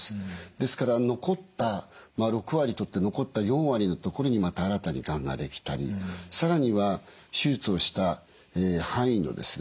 ですから６割取って残った４割の所にまた新たにがんができたり更には手術をした範囲のですね